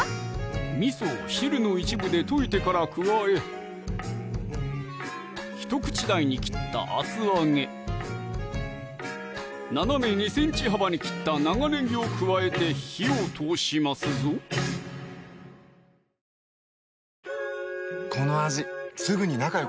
みそを汁の一部で溶いてから加えひと口大に切った厚揚げ・斜め２ｃｍ幅に切った長ねぎを加えて火を通しますぞでは一番最後ですね